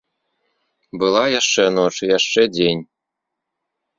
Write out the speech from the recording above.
Была яшчэ ноч і яшчэ дзень.